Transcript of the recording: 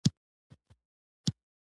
چاکلېټ د ناوې مېلمانه خوښوي.